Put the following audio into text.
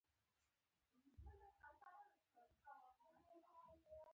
ملیار د پښتو ادب د ښکلا سمبول دی